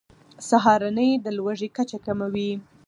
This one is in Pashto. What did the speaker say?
سهارنۍ د لوږې کچه کموي.